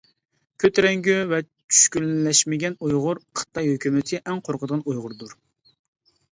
كۆتۈرەڭگۈ ۋە چۈشكۈنلەشمىگەن ئۇيغۇر خىتاي ھۆكۈمىتى ئەڭ قورقىدىغان ئۇيغۇردۇر.